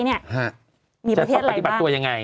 จะต้องปฏิบัติตัวยังไง